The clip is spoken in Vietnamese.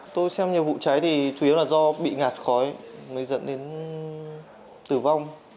tôi xem nhiều vụ cháy thì chủ yếu là do bị ngạt khói mới dẫn đến tử vong